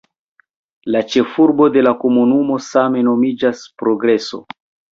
La ĉefurbo de la komunumo same nomiĝas "Progreso".